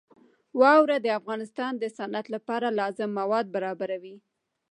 واوره د افغانستان د صنعت لپاره لازم مواد برابروي.